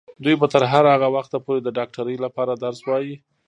دوی به تر هغه وخته پورې د ډاکټرۍ لپاره درس وايي.